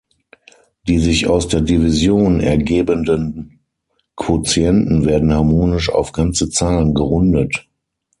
Die sich aus der Division ergebenden Quotienten werden harmonisch auf ganze Zahlen gerundet.